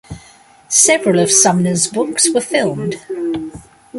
Several of Sumner's books were filmed.